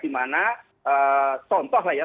di mana contoh lah ya